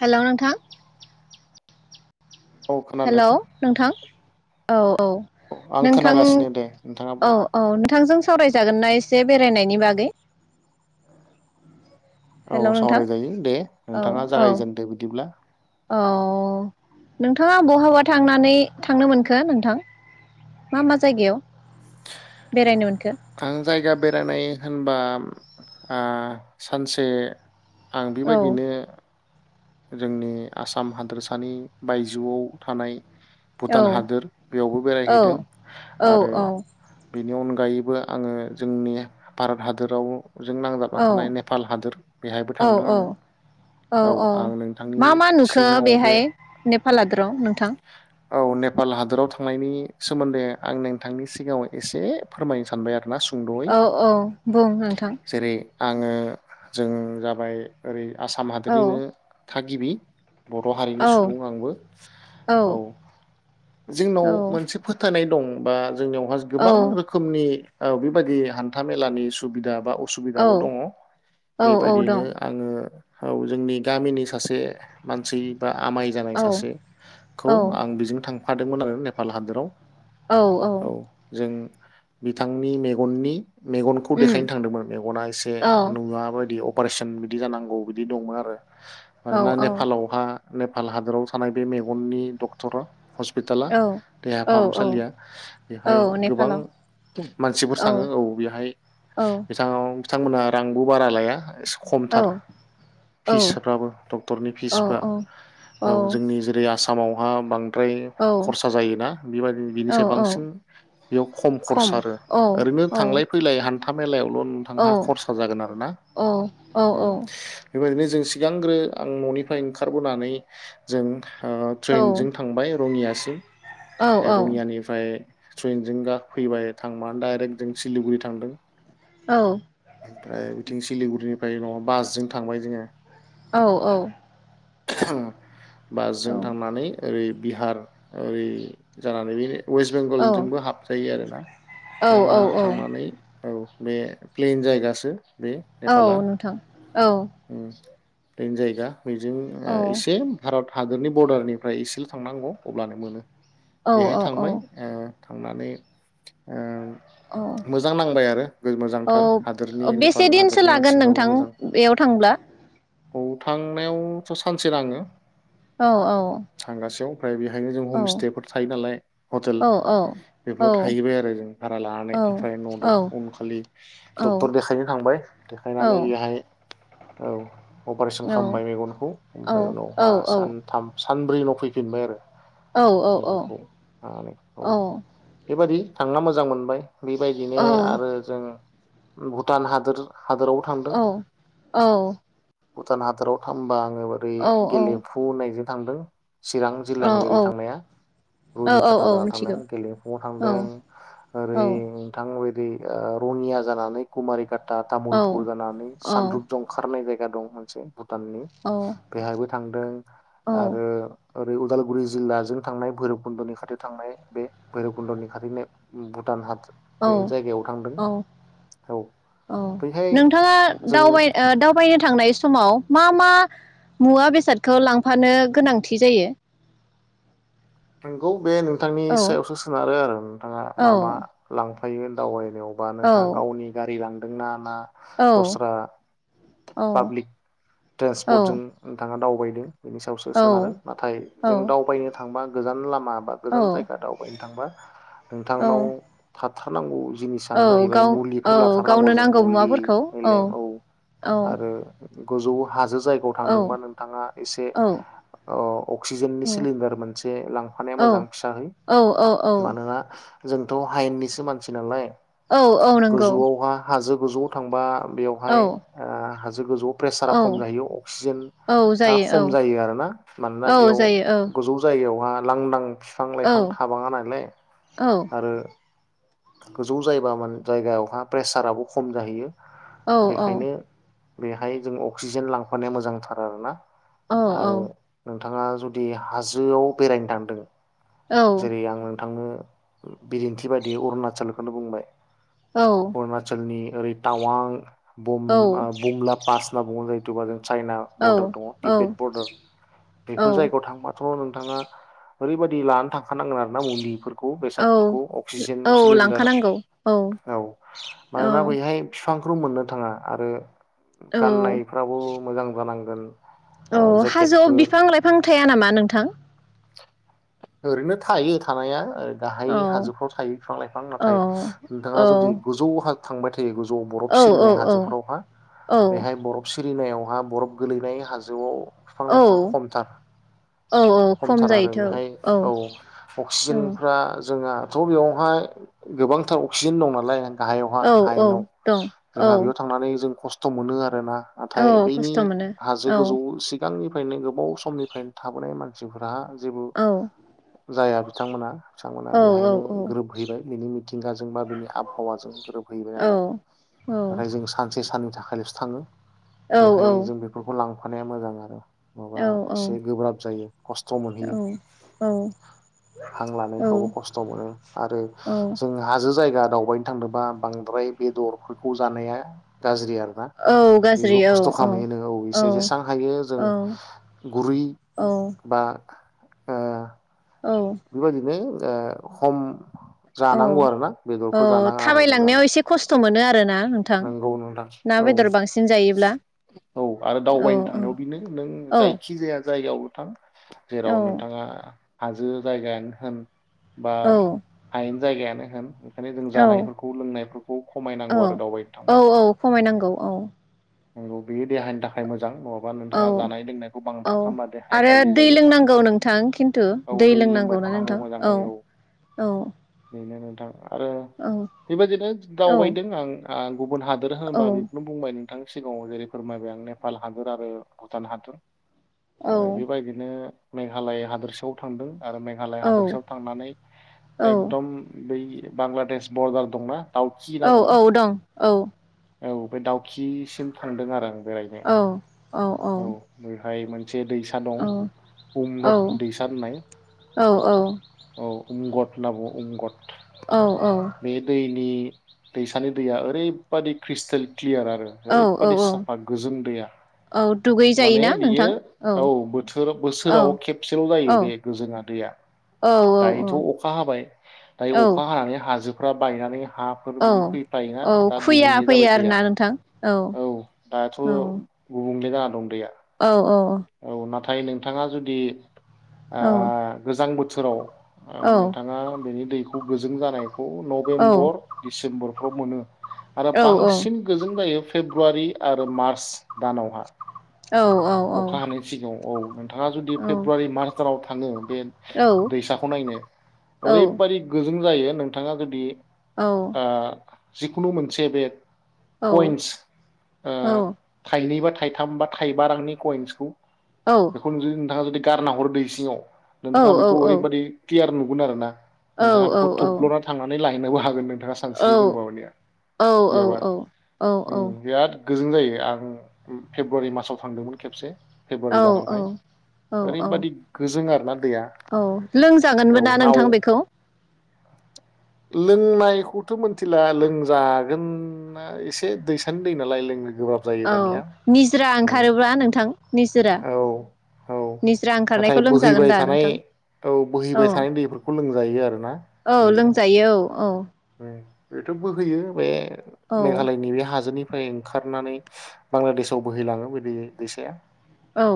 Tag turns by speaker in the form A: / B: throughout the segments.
A: हेल' नोंथां
B: औ खोनादों
A: हेलौ नोंथां । औ ।
B: आं
A: औ नोंथां
B: खोनागासिनो दे नोंथाङा
A: औ
B: बुं
A: औ नोंथां जों सावरायजागोन ना एसे बेरायनायनि बागै?
B: औ
A: हेल' नोंथां
B: सावरायजायो दे
A: औ
B: नोंथाङा
A: औ
B: जागायजेनदो बिदिब्ला ।
A: अ नोंथाङा बहाबा थांनानै थांनो मोनखो नोंथां मा मा जायगायाव बेरायनो मोन
B: आं जायगा बेरायनाय होनबा ओ सानसे आं
A: औ
B: बेबायदिनो जोंनि आसाम हादोरसानि बायजोआव थानाय
A: औ
B: भुटान हादोर बेयावबो
A: औ
B: बेरायहैदों
A: औ
B: आरो
A: औ
B: बेनि अनगायैबो आङो जोंनि भारत हादराव जों नांजाबना थानाय नेपाल हादोर बेहायबो थांदों आं औ
A: ओ औ
B: ।
A: मा मा नुखो बेहाय ने ल हादोराव नोंथां?
B: औ नेपाल हादराव थांनायनि सोमोन्दै आं नोंथांनि सिगाङाव एसे फोरमायनो सानबाय आं
A: औ औ बुं नोंथां ।
B: जेरै आङो जों जाबाय ओरै आसाम
A: औ
B: हादरनिनो था गिबि बर' हारिनि
A: औ
B: सुबुं आंबो औ जोंनाव
A: औ
B: मोनसे फोथायनाय दं बा जोंनियावहा
A: औ
B: गोबां रोखोमनि औ बेबायदि हान्था मेलानि सुबिदा बा
A: औ
B: असुबिदाबो दङ'
A: औ दं
B: बेबायदियैनो आङो औ जोंनि गामिनि सासे मानसि बा आमाय जानाय
A: औ
B: सासेखौ
A: औ
B: आं बेजों थां फादोंमोन आरो नेपाल हादोराव औ जों बिथांनि मेगननि मेगनखौ देखायनो
A: उम
B: थांदोंमोन मेगना एसे
A: औ
B: नुवा बायदि अ अपारेशन बिदि जानांगौ बिदि दंमोन आरो
A: औ
B: मानोना नेपालावहा नेपाल हादराव थानाय बे मेगननि डक्टरा हस्पिटाला
A: औ
B: देहा
A: औ औ
B: फाहामसालिया बेहाय
A: औ
B: गोबां
A: नेपालाव
B: मानसिफोर थांङो औ बेहाय
A: औ
B: बिथाव बिथांमोनहा रांबो बारा लाया एसे
A: औ
B: खमथार फिसफ्राबो डक्टरनि फिसफ्रा औ जोंनि जेरै आसाम मावहा बां द्राय
A: औ औ
B: खरसा जायोना बेबादि
A: औ
B: बिनिसाय
A: औ
B: बांसिन बेयाव खम खरसा आरो ओरैनो
A: औ
B: थांलाय फैलाय हान था मेलायाव ल
A: औ
B: नोंथांहा खरसा जागोन आरोना
A: औ औ
B: उम एबार बे जों सिगांग्रो आं ननिफ्राय ओंखारबोनानै जों ओ
A: औ
B: ट्रेनजों ओमफाय रङियासिम
A: औ
B: रङियानिफाय ट्रेनजों गा फैबाय थांबानो दडाइरेक्ट जों सिलिगुरि थांदों
A: औ
B: ओमफ्राय बिथिं सिलिगुरिनिफ्राय नआव बासजों थांबाय जोंङो
A: औ औ
B: [inaudible] बासजों थांनानै ओरै बिहार ओरै जानानै बे वेस्ट बेंगलजोंबो हाबजायो आरो ना
A: औ
B: जोंहा
A: औ
B: थांनानै औ बे प्लेन जायगासो बे नेपाला
A: औ नोंथां औ
B: उम प्लेन जायगा बिदिन ओ
A: औ
B: एसे भारत हादरनि बरर्डारनि ओमफ्राय इसेल थांनांगौ अब्लानो मोनो
A: औ
B: बेहाय
A: औ औ
B: थांबाय ओ थांनानै ओ
A: औ
B: मोजां नांबाय आरो
A: औ
B: मोजांथार हादोरनि नेपाल
A: बेसे दिनसो
B: हादोरनि
A: लागोन
B: मानसिफ्राबो
A: नोंथां
B: मोजां
A: बेयाव थांब्ला
B: औ थांनायावथ सानसे नांङो
A: औ औ
B: ओमफ्राय बेहायनो जों
A: औ
B: हमस्टेफोर थायो नालाय हटेल
A: औ औ औ
B: बेफोराव थाहैबाय आरो जों भारा लानानै
A: औ
B: ओमफ्राय न
A: औ
B: उनखालि
A: औ
B: डक्टर देखायनो थांबाय
A: औ
B: देखायनानै बेहाय औ अपारेशन
A: औ
B: खालामबाय मेगनखौ
A: औ
B: ओमफ्राय
A: औ
B: उनावहा सानथाम सानब्रै उनाव फैफिनबाय आरो मेगनखौ लानानै औ बेबादि थांना मोजां मोनबाय बेबायदिनो आरो जों भुटान हादोर हादोरावबो थांदों
A: औ औ
B: भुटान हादराव थांबा माबै गेलेफु होननायजों थांदों चिरां
A: औ
B: जिल्लानि ओरै थांनाया
A: औ
B: रुनिकाटा
A: औ
B: जा थांनाय
A: मिथिगौ
B: गेलेमफुङाव
A: औ
B: थांदों
A: औ
B: ओरै नोंथां ओ रङिया जानानै कुमारिका-
A: औ
B: तामुलपुर जानानै सानद्रुप जंखारनाय [unintelligible] [unintelligible] दं होनसै भुटाननि
A: औ
B: बेहायबो थांदों आरो ओरै उदालगुरि जिल्लाजों थांनाय भैरबकुन्द'नि खाथियाव थांनाय बे भैरबकुन्द'नि खाथिनि भुटान हाट
A: औ औ
B: औ
A: औ
B: बैहाय
A: नोंथाङा
B: जों
A: दावबाय ओ दावबायनो थांनाय सम समाव मा मा मुवा बेसादखौ लांफानो गोनांथि जायो
B: नोंगौ बे नों नोंथांनि
A: औ
B: सायावसो सोनारो आरो नोंथाङा मा मा
A: औ
B: लांफा- थायो [unintelligible] यावबा नोंथां
A: औ
B: गावनि गारि ना ना
A: औ
B: दस्रा
A: औ
B: पाब्लिक
A: औ
B: ट्रेन्सपर्टजों नोंथाङा दाव बयदों बिनि सायावसो
A: औ
B: सोनारो नाथाय
A: औ
B: जों दावबायनो थांबा गोजान लामा बा गोजान जायगा दावबायनो थांबा
A: औ
B: नोंथांनाव काट थानांगौ
A: औ
B: जिनिसानो जाहैबाय
A: गाव औ
B: मुलिफोर लाथारनांगौ
A: गावनो
B: जों
A: नांगौ
B: मुलि
A: मुवाफोरखौ
B: औ
A: औ
B: आरो गोजौ हाज जायगायाव
A: औ
B: थांदोंबा नोंथा एसे
A: औ
B: ओ
A: औ
B: अक्सिजेननि सिलिन्डार मोन से लांफानाया
A: औ
B: मोजां फिसाहै
A: औ औ
B: मानोना जोंथ' हायेननिसो मानसि नालाय
A: औ औ नोंगौ।
B: गोजौआवहा हाजो गोजौआव थांबा बेयावहाय ओ हाजो गोजौआव प्रेसारा
A: औ
B: खम जाहैयो अक्सिजेन आ खम जायो आरोना मानोना
A: औ
B: बेयाव
A: जायो
B: गोजौ दैयावहा लांदां फिफां
A: औ
B: लाइफां थाबाङा नालाय
A: औ
B: आरो गोजौ जायबा मान जायगायावहा प्रेसाराबो खम जाहैयो।
A: औ औ
B: बेखायनो बेहाय जों अक्सिजेन लांफानाया मोजांथार आरोना
A: औ
B: आरो नों थाङा जुदि हाजोआव बेरायनो थांदों
A: औ औ
B: जेरै आं नोंथांनो उम बिदिन्थ बे अरुणाचल खौनो बुंबाय
A: औ
B: अरुणाचलनि ओरै टावां बुम
A: औ
B: ओ बुमला पास होना बुङो जायख दुबाजों चाइना बर्दार दङ
A: औ
B: टिब्बेट बरदार
A: औ
B: बेफोर जायगायाव थांबाथ' नो थाङा ओरैबादि लानानै थांखानांगोन आरो ना मुलिफोर खौ बेसादफोरखौ औ।
A: ओ औ लांखानांगौ औ औ।
B: खौ मोननो थाङा आरो
A: औ
B: गाननायफ्राबो मोजां जानांग गोन
A: औ हाजोआव बिफां लाइफां थ थाया नामा नोंथां?
B: ओरैनो थायो थानाया ओर गाहाय
A: औ
B: हाजोफ्राव थायो बिफां लाइफां
A: औ
B: नाथाय
A: औ
B: नोंथाङा जुदि गोजौ हाज थांबोथ [inaudible]
A: औ
B: बरफ सिरिनाय
A: औ
B: हाजोफोरावहा
A: औ
B: बेवहाय बरफ सिरि सिरिनायावहा बरफ गोलैनाय हाजोआव बिफां लाइफां
A: औ
B: खमथार।
A: औ औ खम
B: खमथार आरो
A: जायोथ'
B: बेहाय औ
A: औ
B: अक्सिजेनफ्रा जोंहाथ बेवहाय गोबांथार अक्सिजेन दं नालाय गाहायावहा
A: औ औ
B: हायेनाव
A: दं
B: जोंहा
A: औ
B: बेयाव थांनानै जों खस्थ खस्थ मोनो आरो ना।
A: औ
B: नाथाय बैनि
A: खस्थ' मोनो
B: हाजो
A: औ
B: गोजौ सिम सिगांनिफ्रायनो गोबाव समनिफ्रायनो थाबोनाय मानसिफ्रा मानसिफोरा जेबो
A: औ
B: जाया बिथांमोना बिथांमोना
A: औ औ
B: बेहायनो
A: औ
B: गोरोब हैबाय बिनि मिथिंगाजों बा बिनि आबहावाजों गोरोबहैबाय
A: औ
B: नालाय
A: औ
B: नाथाय जों सानसे साननैनि थाखाय थाखायलसो थाङो। बेहाय जों बेफोरखौ लांफानो हानाया मोजां आरो। माबा
A: औ
B: एसे गोब्राब जायो। खस्थ मोनहैयो हां
A: औ औ
B: लानायफ्रावबो खस्थ मोनो आरो
A: औ
B: जों हाजो जायगा दावबायनो थांनोबा बांद्राय बेदरफोरखौ जानाया गाज्रि आरो। आरोना
A: औ गाज्रि
B: बेबो
A: औ
B: खस्थ खालामहैयो औ एसे जेसेबां हायो जों
A: औ
B: गुरै
A: औ
B: ओ
A: औ
B: बेबायदिनो दा खम
A: औ
B: जानांगौ आरोना
A: औ
B: बेदरफोर
A: थाबायलांनायाव एसे खस्थ मोनो आरो ना।
B: नंगौ नोंथां। औ-
A: बेदर बांसिन जायोब्ला
B: औ आरो
A: औ
B: दावबायनो थांनायाव बिनो नों
A: औ
B: जायखि जाया जायगायावनो थां
A: औ
B: जेराव नोंथाङा हाजो जायगायानो होन बा
A: औ
B: हायेन जायगायानो होन ओंखायनो जों
A: औ
B: जानायफोरखौ लोंनायफोरखौ खमायनांगौ आरो दावबाय
A: औ-औ खमायनांगौ औ।
B: नंगौ बेयो देहानि थाखाय मोजां नङ
A: औ औ
B: देहाया
A: आरो
B: गाज्रि
A: दै
B: जायो
A: लोंनांगौ नोंथां खिन्थु
B: औ
A: दै
B: लोंबाय
A: लोंनांगौ ना
B: थानांगौ
A: नोंथां औ
B: मोजाङै
A: औ।
B: [unintelligible] आरो
A: औ
B: बेबायदिनो
A: औ
B: दावबायदों आं । आल गुबुन हादोर होनोबा
A: औ
B: बेखौनो बुंबाय नों थां सिगाङाव जेरै फोरमायबाय आं नेपाल हादर आरो भुटान हादर
A: औ
B: आरो बेबायदिनो मेघालय हादोरसायाव थांदों आरो मेघालय हादोरसायाव
A: औ
B: थांनानै
A: औ
B: एकदम बै बांलादेश बरदार दंना दाउकि होनना
A: औ
B: बुङो
A: औ
B: ‌ ।
A: दं औ ।
B: औ बे दाउ किसिम थांदों आरो आं बेरायनो
A: औ
B: औ । हायोमोन मोनसे दैसा दं
A: औ
B: उमनथ
A: औ
B: दैसा होननाय
A: औ
B: औ । अंगद नाबुङो अंगद बे दैनि दैसानि दैया ओरैबादि ख्रिस्टेल क्लियार आरो
A: औ
B: ओरैबादि
A: औ
B: साफा गोजों दैया
A: औ दुगै जायोना
B: माने बियो
A: नोंथां
B: औ बोथोर
A: औ
B: बोसोराव खेबसेल
A: औ
B: जायो बे गोजोंङा दैया
A: औ
B: दायोथ अखा हाबाय
A: औ
B: दायो अखा हानानै हाजोब पुरा बायनानै हाफोर
A: औ
B: बिदि फैयो
A: औ खुया फैयो आरोना नोंथां औ औ ।
B: बुंले जाना दं दैया
A: औ औ ।
B: औ नाथाय नोंथाङा जुदि ओ
A: औ
B: गोजां बोथो
A: औ
B: बोथोराव नोंथाङा बेनि दैखौ गोजों जानाय
A: औ
B: नभेम्बर डिसेम्बर बेफ्राव मोनो आरो
A: औ
B: बांसिन गोजों जायो फेब्रुवारि आरो मार्च दानावहा ।
A: औ औ औ।
B: नोंथाङा जुदि फेब्रुवारि मार्च दानाव थाङो दैसाखौ नायनो ओरैबायदि गो जायो नोंथाङा जुदि आ। जिखुनु मोनसे बे कइन्स थाइनै बा। थाइथाम बा थाइबा रांनि कइन्सखौ। बेखौ जदि नोंथां आ जदि गारना हर दै सिङाव नोंथाङा बेखौ ओरैबादि क्लियार नुगोन आरो ना। नोंथाङा बेखौ थब्ल'ना थांनानै लायो। नोबो हागोन। सानस्रिनो रोंबा मानिया गैयाबा बिराद गोजों जायो आं फेब्रुवारि मासाव थांदोंमोन खेबसे।
A: औ
B: फेब्रुवारि
A: औ
B: दानावहाय
A: औ औ
B: ओरैबादि गोजों आरोना दैया
A: औ लोंजागोनबो
B: औ
A: ना
B: नाव
A: नोंथां बेखौ।
B: लोंनायखौथ' मिथिला लोंजागोना एसे दैसानि दै नालाय लों।
A: औ निजोरा ओंखारोब्ला। नोंथां निजोरा
B: औ औ
A: निजोरा ओंखारनायखौ
B: नाथाय
A: लोंजागोन
B: बोहैबाय
A: दा
B: थानाय
A: नोंथां औ
B: बोहैबाय थानाय दैफोरखौ लोंजायो आरोना
A: औ
B: निजोरा
A: लोंजायो औ औ।
B: बेथ' बो होैयो बे
A: औ
B: मेघालयनि बे हाजोनि फ्राय ओंखारनानै बांलादेशआव बोहैलाङो बे दै दैसाया
A: औ।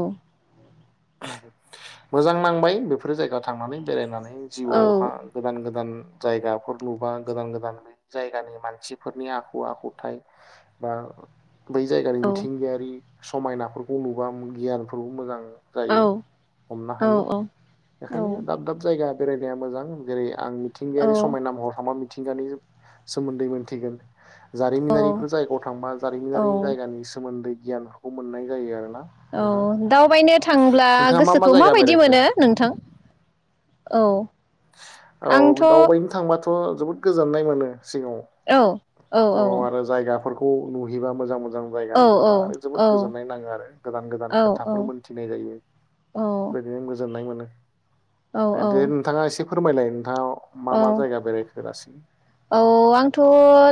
B: मोजां नांबाय बेफोरो जायगायाव थांनानै बेरायनानै
A: औ
B: जिउआवहा गोदान गोदान गोदान जायगाफोर नुबा गोदान गोदान ब जायगानि मानसिफोरनि आखु आखुथायाइ बा। बै जायगानि
A: औ
B: मिथिंगायारि समायनाफोरखौ नुबा गियानफोरबो मोजां।
A: औ
B: जायो हमनो
A: औ
B: हायो बेखायनो दाब दाब जायगा। बेरायनाया मोजां जेरै आं मिथिंगायारि समायना महर थांबा मिथिंगानि सोमोन्दै मोनथिगोन
A: औ
B: जारिमिनारिफोर जायगायाव थांबा
A: औ
B: जारिमिनारि
A: औ
B: जायगानि सोमोन्दै गियानफोरखौ मोननाय जायो आरो
A: औ दावबायनो थांब्ला
B: नोंथाङा मा मा
A: गोसोखौ
B: जायगा
A: माबायदि
B: बेरायखो
A: मोनो नोंथां औ
B: औ दावबायनो थांबाथ' थ' जोबोद गोजोननाय मोनो
A: औ औ
B: सिङाव
A: औ
B: उनाव आरो जायगाफोरखौ खौ नुहैबा मोजां मोजां जायगा
A: औ
B: नुयोबा आरो
A: औ
B: जोबोद गोजोननाय नाङो आरो गोदान
A: औ
B: गोदान खोथाफोर मोन्थिनाय जायो बेदिनो
A: औ औ
B: गोन नोंथाङा एसे फोरमायलाय नोंथाङा मा मा
A: औ
B: जायगा बेरायखो दासिम
A: औ आंथ'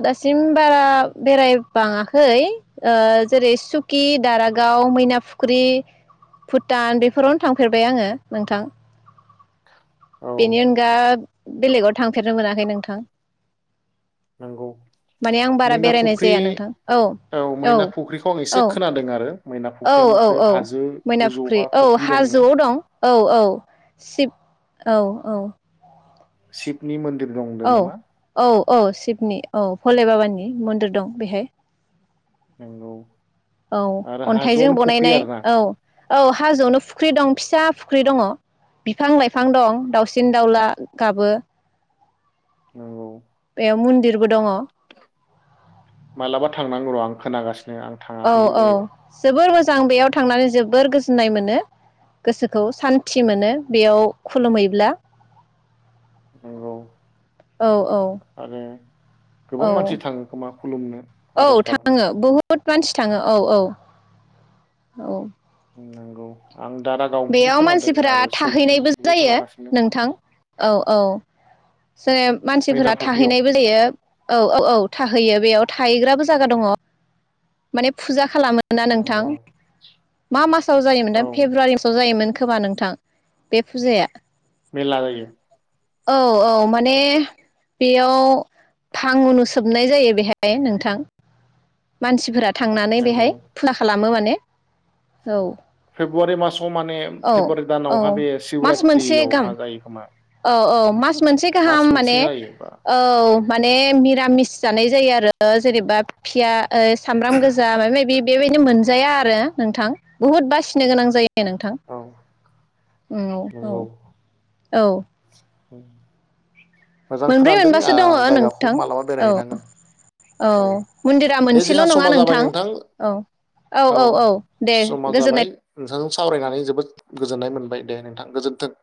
A: दासिम बारा बेरायबाङाखै जेरै सुकि दारागाव मैनाफुख्रि भुटान बेफोरावनो थांफेरबाय आङो नोंथां
B: औ
A: बिनि अनगा बेलेगाव थांफेरनो मोनाखै नोंथां
B: नंगौ
A: माने आं बारा
B: मैना
A: बेरायनाय
B: फुख्रि
A: जाया नोंथां
B: औ मैना फुख्रिखौ आं एसे
A: औ
B: खोनादों आरो मैना
A: औ
B: फुख्रिया
A: औ
B: माथो
A: औ
B: हाजो
A: मैना
B: गोजौआव
A: औ
B: फुख्रि दंनो
A: हाजोआव दं औ औ सिब औ औ
B: सिपनि मन्द
A: औ औ औ शिबनि औ भले बाबानि मन्दिर दं बेहाय
B: नंगौ
A: औ
B: आरो
A: अन्थाइजों
B: हाजोआवनो फुख्रि
A: बनायनाय
B: आरोना
A: औ औ हाजोआवनो फुख्रि दं फि फिसा फुख्रि दङ बिफां लाइफां दं दाउसिन दाउला गाबो
B: औ
A: बेयाव मन्दिरबो दङ
B: मालाबा थांनांगौ र' आं खोनागासिनो आं
A: औ
B: थाङाखै बे
A: औ
B: जायगायाव
A: जोबोर मोजां बेयाव थांनानै जोबोर गोजोननाय मोनो गोसोखौ सान्थि मोनो बेयाव खुलुमहैब्ला
B: नोंगौ
A: औ औ औ
B: गोबां मानसि थाङो खोमा खुलुमनो
A: औ
B: आर'ज गाबनो
A: थाङो बहुद मानसि थाङो औ औ औ
B: नोंगौ
A: बेयाव मानसिफोरा थाहैनायबो
B: सौकिखौबो
A: जायो
B: खोनागासिनो
A: नोंथां औ औ जे
B: मैना
A: मानसिफोरा
B: फुख्रियाव
A: थाहैनायबो जायो औ औ औ थाहैयो बेयाव । थाहैग्राबो जाया दङ माने फुजा खालामो । ना नोंथां
B: नंगौ
A: मा मासाव जायोमोनथाय
B: औ
A: फेब्रुवारि जायोमोन खोमा नोंथां बे फुजाया ।
B: मेला जायो ।
A: औ औ माने बेयाव फां उनुसोबनाय जायो बेहाय नोंथां । मानसिफोरा । थांनानै
B: नंगौ
A: बेहाय फुला खालामो माने । [unintelligible] औ ।
B: फेब्रुवाररि मास [unintelligible] माने फेब्रुवारि
A: औ
B: दानावहा बे
A: मास मोनसे गाहाम
B: सिशवरात्रियावहा जायो खोमा ।
A: [unintelligible] मोनसे गाहाम माने औ माने मिरामिस जानाय जायो आरो जेनेबा फिया ओ सामब्राम गोजा मायबा मायबि बेबायदिनो मोनजाया आरो नोंथां बुहुद बासिनो गोनां जायो नोंथां ।
B: औ
A: उम औ औ
B: नंगौ
A: । औ ।
B: [inaudible]
A: मोनब्रै
B: खोनादों
A: मोनबासो दङ
B: ओ जायगाखौ
A: नोंथां
B: मालाबा
A: औ
B: बेरायहैनांगोन
A: औ मन्दिरा
B: दे जोंहा
A: मोनसेल' नङा
B: समा जाबाय
A: नोंथां औ औ औ औ दे
B: समा जाबाय
A: गोजोननाय
B: नोंथांजों सावरायनानै जोबोद गोजोननाय मोनबाय दे नोंथां गोजोन्थों ।